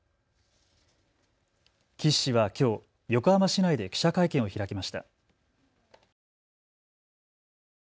岸氏はきょう横浜市内で記者会見を開きました。